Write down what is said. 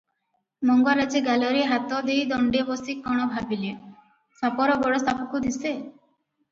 ମଙ୍ଗରାଜେ ଗାଲରେ ହାତ ଦେଇ ଦଣ୍ତେ ବସି କଣ ଭାବିଲେ, ସାପର ଗୋଡ଼ ସାପକୁ ଦିଶେ ।